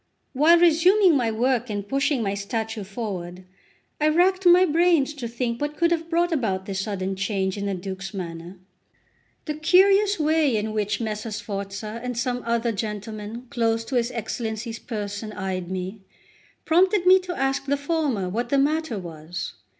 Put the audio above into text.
While resuming my work and pushing my statue forward, I racked my brains to think what could have brought about this sudden change in the Duke's manner. The curious way in which Messer Sforza and some other gentlemen close to his Excellency's person eyed me, prompted me to ask the former what the matter was.